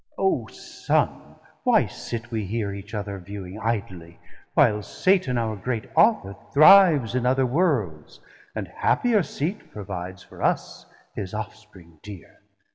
O Son, why sit we here each other viewing Idlely, while Satan our great Author thrives In other Worlds, and happier Seat provides For us his ofspring deare?